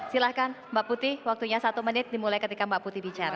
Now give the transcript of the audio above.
silahkan mbak putih waktunya satu menit dimulai ketika mbak putih bicara